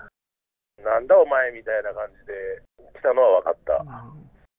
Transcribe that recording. なんだお前みたいな感じで来たのは分かった。